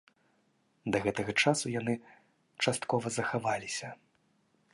Да гэтага часу яны часткова захаваліся.